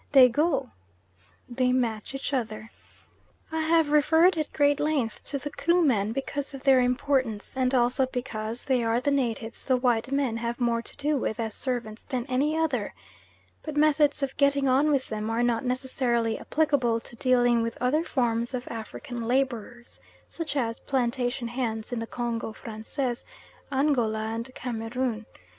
They go" (they match each other). I have referred at great length to the Krumen because of their importance, and also because they are the natives the white men have more to do with as servants than any other; but methods of getting on with them are not necessarily applicable to dealing with other forms of African labourers, such as plantation hands in the Congo Francais, Angola, and Cameroon.